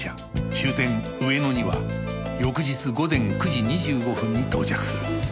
終点上野には翌日午前９時２５分に到着する